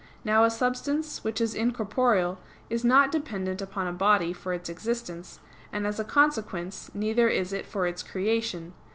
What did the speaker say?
Now a substance which is incorporeal is not dependent upon a body for its existence; and as a consequence, neither is it for its creation.